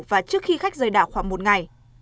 và trước khi khách rời đảo khoảng một ngày